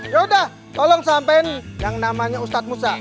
yaudah tolong sampein yang namanya ustadz musa